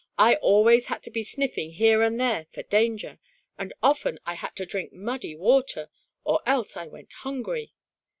I always had to be sniffing here and there for danger, and often I had to drink muddy water, or else I went hungry.